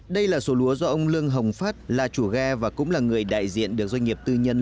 đây là số lúa do ông lương hồng phát là chủ ghe và cũng là người đại diện được doanh nghiệp tư nhân